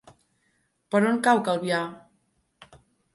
Per on cau Calvià?